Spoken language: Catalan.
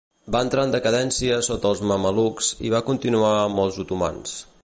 Va entrar en decadència sota els mamelucs i va continuar amb els otomans.